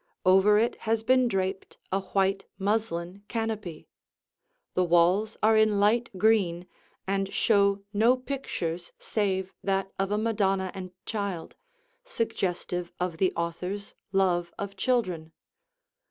Over it has been draped a white muslin canopy. The walls are in light green and show no pictures save that of a Madonna and Child, suggestive of the author's love of children.